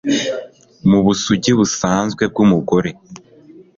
Mubusugi busanzwe bwumugore